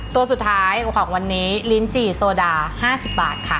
ตัวสุดท้ายของวันนี้ลิ้นจี่โซดา๕๐บาทค่ะ